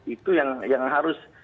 itu yang harus